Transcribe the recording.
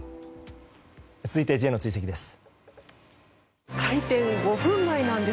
続いて、Ｊの追跡です。